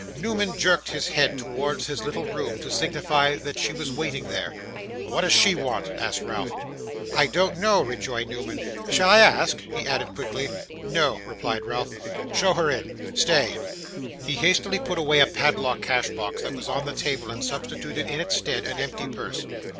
Newman jerked his head towards his little room, to signify that she was waiting there. 'What does she want?' asked Ralph. 'I don't know,' rejoined Newman. 'Shall I ask?' he added quickly. 'No,' replied Ralph. 'Show her in! Stay.' He hastily put away a padlocked cash box that was on the table, and substituted in its stead an empty purse.